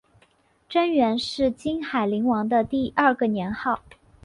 贞元是金海陵王的第二个年号。